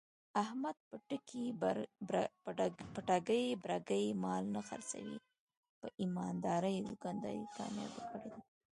احمد په ټګۍ برگۍ مال نه خرڅوي. په ایماندارۍ یې دوکانداري کامیاب کړې ده.